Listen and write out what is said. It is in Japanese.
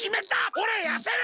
おれやせる！